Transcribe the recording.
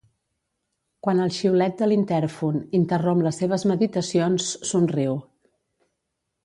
Quan el xiulet de l'intèrfon interromp les seves meditacions somriu.